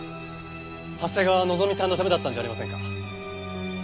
長谷川希美さんのためだったんじゃありませんか？